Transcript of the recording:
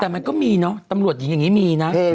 แต่มันก็มีเนอะตำรวจหญิงอย่างนี้มีนะ